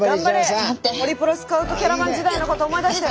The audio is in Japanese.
ホリプロスカウトキャラバン時代のこと思い出して！